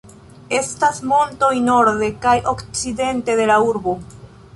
Estas montoj norde kaj okcidente de la urbo.